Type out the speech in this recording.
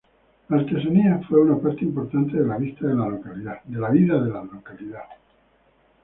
La artesanía fue una parte importante de la vida de la localidad.